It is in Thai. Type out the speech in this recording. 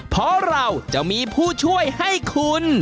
เพราะเราจะมีผู้ช่วยให้คุณ